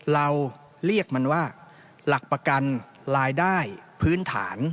เราเรียกมันว่าหลักประกันรายได้พื้นฐาน